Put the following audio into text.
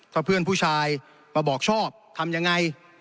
ก็เพื่อนผู้ชายมาบอกชอบทำยังไง